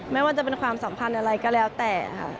ไม่ว่าจะเป็นความสัมพันธ์อะไรก็แล้วแต่ค่ะ